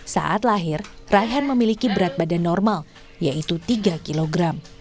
saat lahir raihan memiliki berat badan normal yaitu tiga kg